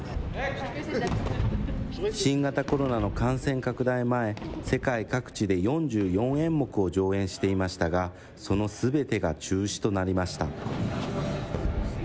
新型コロナの感染拡大前、世界各地で４４演目を上演していましたが、そのすべてが中止となりました。